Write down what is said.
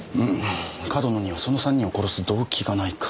上遠野にはその３人を殺す動機がないか。